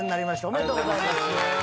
おめでとうございます。